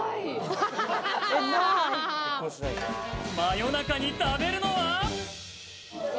夜中に食べるのは？